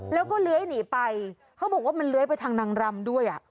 แล้วก็เลื้อยหนีไปเขาบอกว่ามันเลื้อยไปทางนางรำด้วย